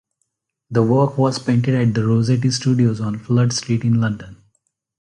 The work was painted at the Rossetti Studios on Flood Street in London.